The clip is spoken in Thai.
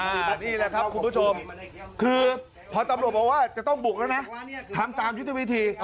อันนี้แหละครับคุณผู้ชมคือพอตำรวจบอกว่าจะต้องบุกแล้วนะทำตามยุทธวิธี